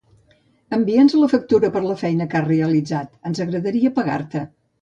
Envia'ns la factura per la feina que has realitzat, ens agradaria pagar-te.